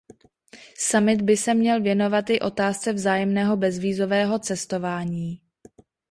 Summit by se měl věnovat i otázce vzájemného bezvízového cestování.